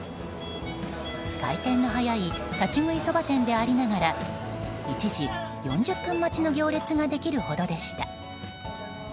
回転の早い立ち食いそば店でありながら一時、４０分待ちの行列ができるほどでした。